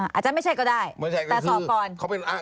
อาจจะไม่ใช่ก็ได้แต่สอบก่อน